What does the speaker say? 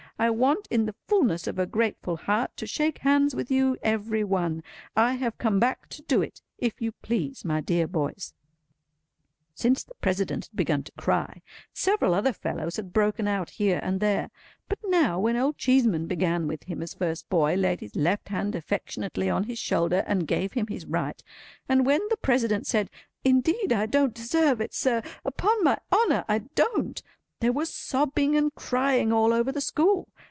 I want in the fulness of a grateful heart to shake hands with you every one. I have come back to do it, if you please, my dear boys." Since the President had begun to cry, several other fellows had broken out here and there: but now, when Old Cheeseman began with him as first boy, laid his left hand affectionately on his shoulder and gave him his right; and when the President said "Indeed, I don't deserve it, sir; upon my honour I don't;" there was sobbing and crying all over the school.